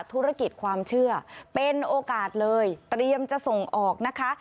ธุรกิจความเชื่อเป็นโอกาสเลยเตรียมจะส่งออกนะคะ